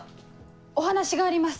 お話があります。